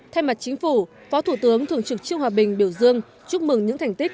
thay mặt chính phủ phó thủ tướng thường trực trương hòa bình biểu dương chúc mừng những thành tích